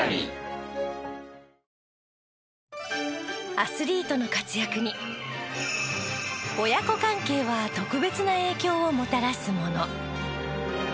アスリートの活躍に親子関係は特別な影響をもたらすもの。